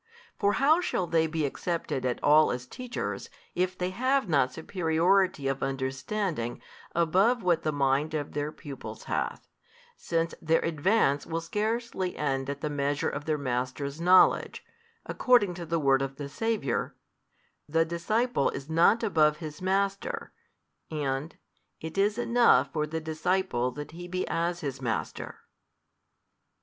For how shall they be accepted at all as teachers, if they have not superiority of understanding above what the mind of their pupils hath, since their advance will scarcely end at the measure of their masters' knowledge, according to the word of the Saviour, The disciple is not above his Master, and, It is enough for the disciple that he be as his Master?